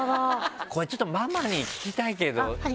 これちょっとママに聞きたいけどママ！